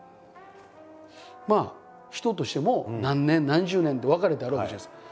まあ人としても何年何十年って別れってあるわけじゃないですか。